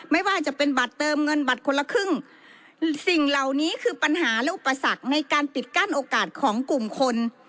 ไม่ว่าจะเป็นบัตรเติมเงินบัตรคนละครึ่งสิ่งเหล่านี้คือปัญหาและอุปสรรคในการปิดกั้นโอกาสของกลุ่มคน